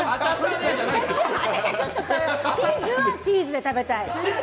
チーズはチーズで食べたい。